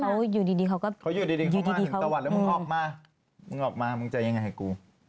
เขาอยู่ดีเขาก็เขาอยู่ดีตะวัดแล้วมึงออกมามึงออกมามึงจะยังไงกู